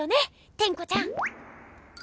テンコちゃん！